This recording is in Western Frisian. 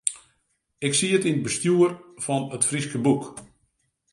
Ik siet yn it bestjoer fan It Fryske Boek.